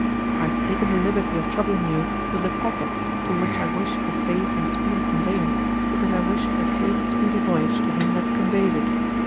'I have taken the liberty of troubling you with a packet, to which I wish a safe and speedy conveyance, because I wish a safe and speedy voyage to him that conveys it.